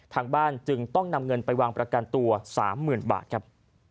ทางบ้านจึงต้องนำเงินไปวางประกันตัว๓๐๐๐บาทครับ